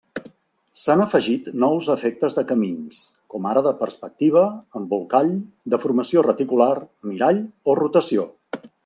S'han afegit nous efectes de camins, com ara de perspectiva, embolcall, deformació reticular, mirall o rotació.